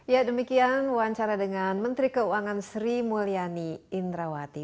ya demikian wawancara dengan menteri keuangan sri mulyani indrawati